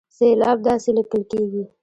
سېلاب داسې ليکل کېږي